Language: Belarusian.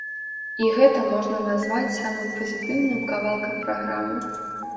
І гэта можна назваць самым пазітыўным кавалкам праграмы.